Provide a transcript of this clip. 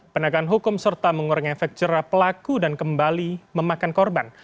penegakan hukum serta mengurangi efek jerah pelaku dan kembali memakan korban